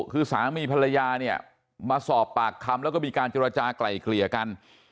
คือสามีภรรยาเนี่ยมาสอบปากคำแล้วก็มีการเจรจากลายเกลี่ยกัน